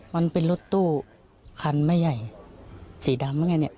มันเป็นรถตู้คันไม่ใหญ่สีดำเหมือนกันเนี่ย